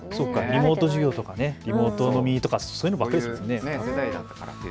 リモート授業とかリモート飲みとかそういうのばっかりですもんね。